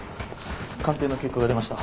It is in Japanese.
鑑定の結果が出ました。